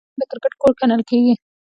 ننګرهار هم د کرکټ کور ګڼل کیږي.